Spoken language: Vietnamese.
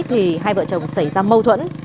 thì hai vợ chồng xảy ra mâu thuẫn